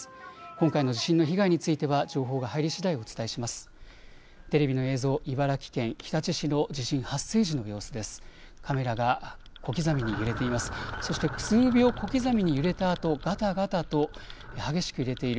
今回の地震の被害については情報が入りしだい